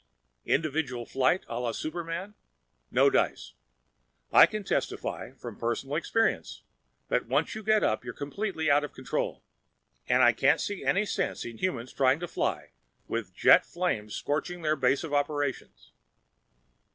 "Individual flight a la Superman? No dice. I can testify from personal experience that once you get up there you're completely out of control. And I can't see any sense in humans trying to fly with jet flames scorching their base of operations.